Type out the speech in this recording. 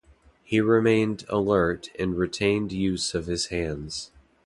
He remained alert and retained use of his hands.